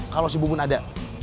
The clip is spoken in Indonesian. kalau si bubun ada